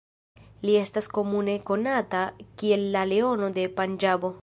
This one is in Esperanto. Li estas komune konata kiel la "Leono de Panĝabo".